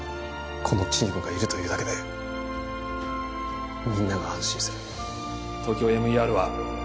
このチームがいるというだけでみんなが安心するＴＯＫＹＯＭＥＲ は